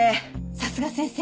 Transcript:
さすが先生！